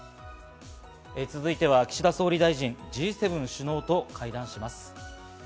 続いては岸田総理大臣、Ｇ７首脳と会談します。